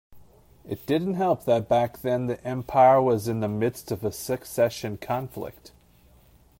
It didn't help that back then the empire was in the midst of a succession conflict.